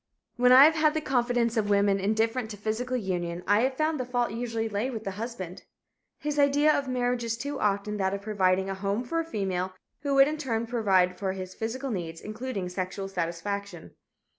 When I have had the confidence of women indifferent to physical union, I have found the fault usually lay with the husband. His idea of marriage is too often that of providing a home for a female who would in turn provide for his physical needs, including sexual satisfaction.